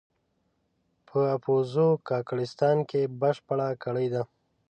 په اپوزو کاکړستان کې بشپړه کړې ده.